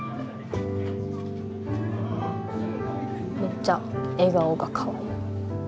めっちゃ笑顔がかわいい。